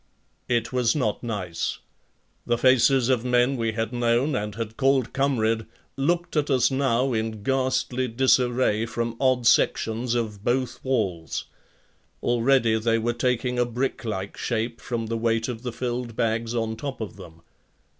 It was not nice. The faces of men we had known and had called comrade looked at us now in ghastly disarray from odd sections of both walls. Already they were taking a brick like shape from the weight of the filled bags on top of them.